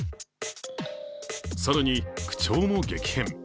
更に、口調も激変。